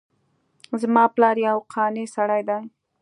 زما پلار یو قانع سړی ده